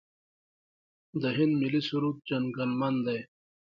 د هند ملي سرود جن ګن من دی.